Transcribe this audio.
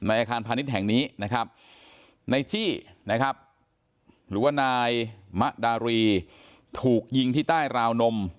อาคารพาณิชย์แห่งนี้นะครับในจี้นะครับหรือว่านายมะดารีถูกยิงที่ใต้ราวนม